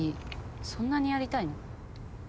そんなにやりたいの？